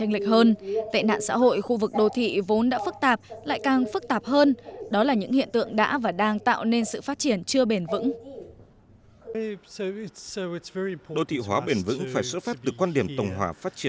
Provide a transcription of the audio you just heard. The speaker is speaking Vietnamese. lễ hội hoa phượng đỏ